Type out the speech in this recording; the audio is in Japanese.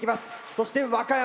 そして和歌山